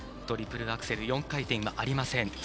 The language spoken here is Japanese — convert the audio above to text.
トリプルアクセル４回転はありません。